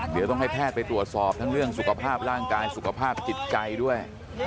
เดี๋ยวต้องให้แพทย์ไปตรวจสอบทั้งเรื่องสุขภาพร่างกายสุขภาพจิตใจด้วย